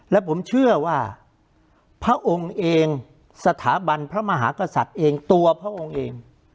และผมเชื่อว่าพระองค์เองสถาบันพระมหากษัตริย์เองตัวพระองค์เอง